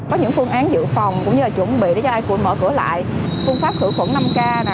có những phương án dự phòng cũng như là chuẩn bị để cho ai cũng mở cửa lại phương pháp khử khuẩn năm k